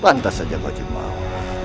pantas saja kau jempol